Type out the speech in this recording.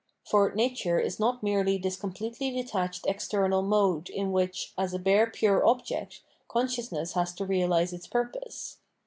For nature is not merely this completely detached external mode in which, as a bare pure object, consciousness has to realise its purpose.